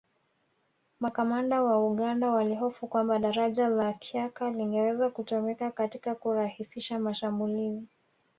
Makamanda wa Uganda walihofu kwamba Daraja la Kyaka lingeweza kutumika katika kurahisisha mashamulizi